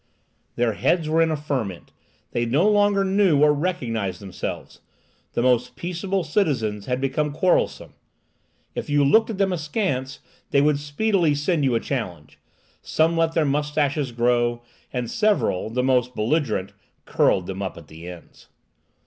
Their heads were in a ferment. They no longer knew or recognized themselves. The most peaceable citizens had become quarrelsome. If you looked at them askance, they would speedily send you a challenge. Some let their moustaches grow, and several—the most belligerent—curled them up at the ends.